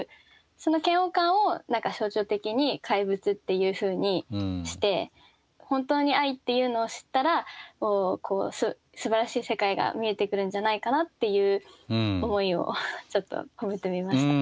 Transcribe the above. その嫌悪感を象徴的に怪物っていうふうにして本当に愛っていうのを知ったらすばらしい世界が見えてくるんじゃないかなっていう思いをちょっと込めてみました。